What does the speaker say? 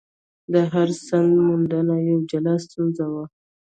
د هر سند موندل یوه جلا ستونزه وه.